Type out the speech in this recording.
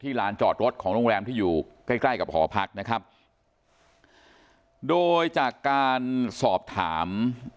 ลานจอดรถของโรงแรมที่อยู่ใกล้ใกล้กับหอพักนะครับโดยจากการสอบถาม